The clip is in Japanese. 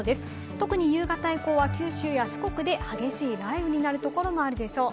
特に夕方以降は九州や四国で激しい雷雨になるところがあるでしょう。